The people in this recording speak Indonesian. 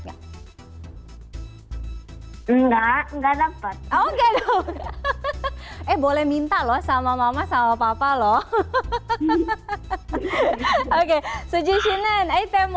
enggak enggak dapat oke eh boleh minta loh sama mama sama papa loh oke sujinan itu